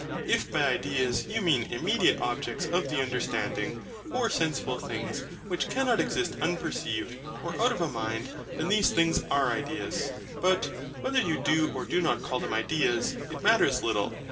If by IDEAS you mean immediate objects of the understanding, or sensible things, which cannot exist unperceived, or out of a mind, then these things are ideas. But whether you do or do not call them IDEAS, it matters little.